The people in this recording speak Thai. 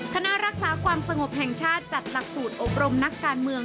คณะรักษาความสงบแห่งชาติจัดหลักสูตรอบรมนักการเมือง